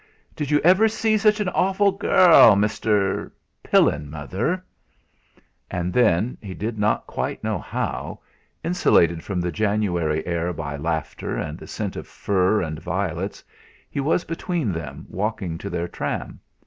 Did you ever see such an awful gairl; Mr. " "Pillin, Mother." And then he did not quite know how insulated from the January air by laughter and the scent of fur and violets, he was between them walking to their tram.